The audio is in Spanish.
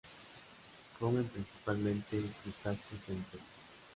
Comen principalmente crustáceos e insectos.